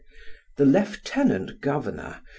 The lieutenant governor, M.